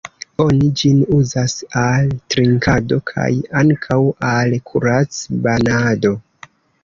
Oni ĝin uzas al trinkado kaj ankaŭ al kurac-banado.